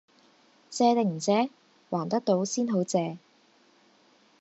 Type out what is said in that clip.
借定唔借？還得到先好借！